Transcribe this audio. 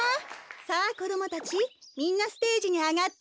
さあこどもたちみんなステージにあがって。